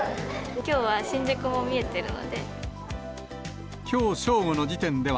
きょうは新宿も見えてるので。